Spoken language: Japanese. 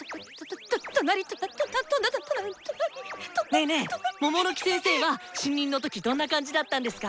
ねーねーモモノキ先生は新任の時どんな感じだったんですか